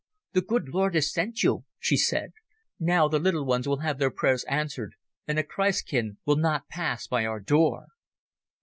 "The good Lord has sent you," she said. "Now the little ones will have their prayers answered and the Christkind will not pass by our door."